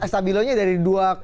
stabilonya dari dua